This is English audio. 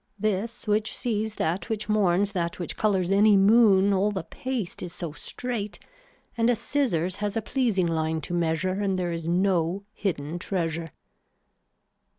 This which sees that which mourns that which colors any moon all the paste is so straight and a scissors has a pleasing line to measure and there is no hidden treasure.